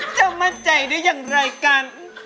จะมั่นใจได้อย่างไรกัน